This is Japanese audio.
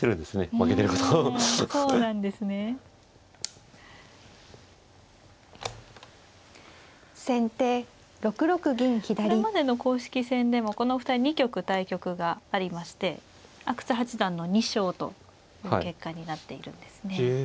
これまでの公式戦でもこのお二人２局対局がありまして阿久津八段の２勝という結果になっているんですね。